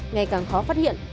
ngày càng khó phát hiện